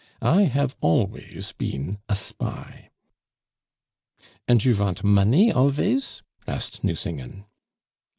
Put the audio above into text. I have always been a spy." "And you vant money alvays?" asked Nucingen.